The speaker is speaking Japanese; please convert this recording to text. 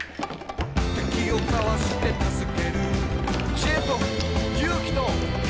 「敵をかわして助ける」「知恵と勇気と希望と」